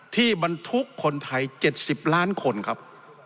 ที่มันทุกข์คนไทย๗๐ล้านคนครับ